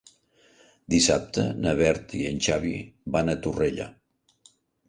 Dissabte na Berta i en Xavi van a Torrella.